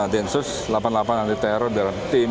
densus delapan puluh delapan anti teror dalam tim